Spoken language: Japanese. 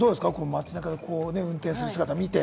街中で運転する姿を見て。